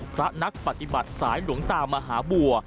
พระนักปฏิบัติสายหลวงตามหาบัว